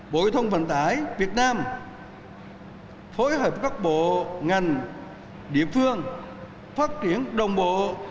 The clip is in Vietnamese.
bộ y tông vận tải việt nam phối hợp các bộ ngành địa phương phát triển đồng bộ